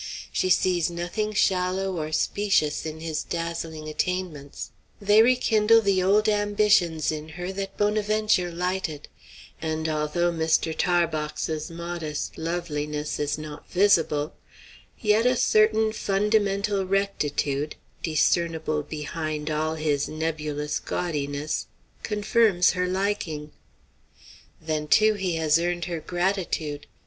She sees nothing shallow or specious in his dazzling attainments; they rekindle the old ambitions in her that Bonaventure lighted; and although Mr. Tarbox's modest loveliness is not visible, yet a certain fundamental rectitude, discernible behind all his nebulous gaudiness, confirms her liking. Then, too, he has earned her gratitude.